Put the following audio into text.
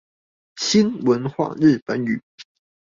新文化日本語